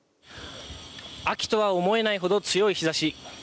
秋とは思えないほど強い日ざし。